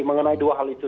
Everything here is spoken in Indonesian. mengenai dua hal itu